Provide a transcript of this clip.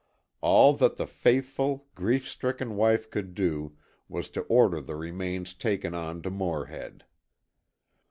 All that the faithful, grief stricken wife could do was to order the remains taken on to Morehead.